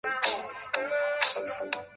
此时医院设备人员匮乏。